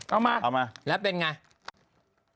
เอามาแล้วเป็นอย่างไร